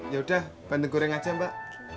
yaudah banteng goreng aja mbak